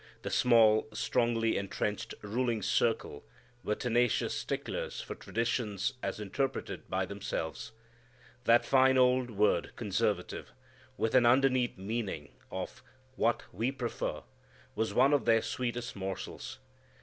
The small, strongly entrenched ruling circle were tenacious sticklers for traditions as interpreted by themselves. That fine old word conservative (with an underneath meaning of "what we prefer") was one of their sweetest morsels.